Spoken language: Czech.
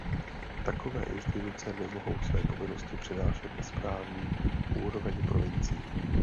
Takové instituce nemohou své povinnosti přenášet na správní úroveň provincií.